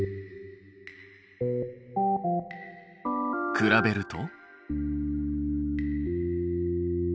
比べると。